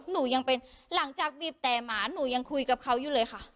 หนูยังเป็นหลังจากบีบแต่หมาหนูยังคุยกับเขาอยู่เลยค่ะ